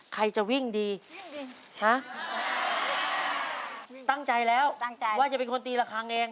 ใครจะวิ่งดีฮะตั้งใจแล้วว่าจะเป็นคนตีละครั้งเอง